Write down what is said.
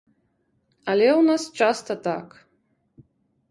Але ў нас часта так.